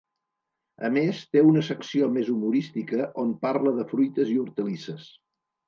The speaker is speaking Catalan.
A més, té una secció més humorística on parla de fruites i hortalisses.